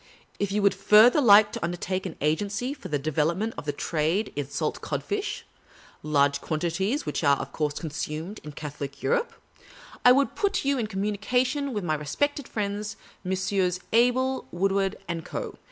If you would further like to undertake an agency for the development of the trade in salt codfish (large quantities of which are, of course, consumed in Catholic Europe), I could put you into communication with my respected friends, Messrs. Abel Wood ward & Co.